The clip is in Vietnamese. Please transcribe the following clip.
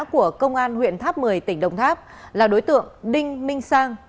của công an huyện tháp một mươi tỉnh đồng tháp là đối tượng đinh minh sang